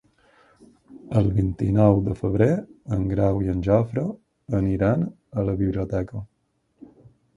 El vint-i-nou de febrer en Grau i en Jofre aniran a la biblioteca.